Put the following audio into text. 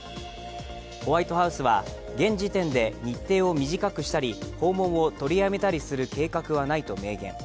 ホワイトハウスは現時点で日程を短くしたり訪問を取りやめたりする計画はないと明言。